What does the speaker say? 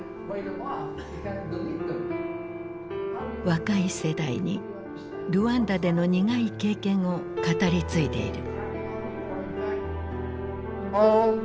若い世代にルワンダでの苦い経験を語り継いでいる。